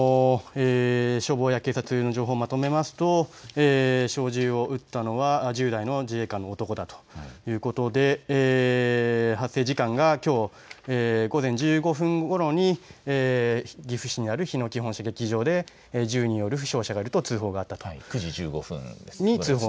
消防や警察の情報をまとめますと小銃を撃ったのは１０代の自衛官の男だということで発生時間がきょう午前１０時１５分ごろに岐阜市にある日野基本射撃場で銃による負傷者がいると通報があった。